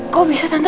kok bisa tante